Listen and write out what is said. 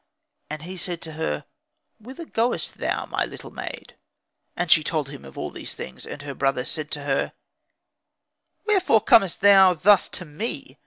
And he said to her, "Whither goest thou, my little maid?" And she told him of all these things. And her brother said to her, "Wherefore comest thou thus to me?